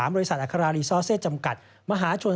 บริษัทอัครารีซอร์เซตจำกัดมหาชน